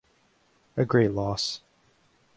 A great loss.